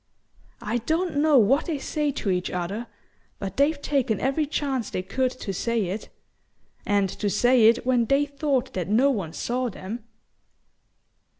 I don't know what they say to each other, but they've taken every chance they could to say it ... and to say it when they thought that no one saw them."